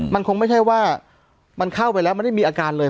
มันคงไม่ใช่ว่ามันเข้าไปแล้วมันได้มีอาการเลย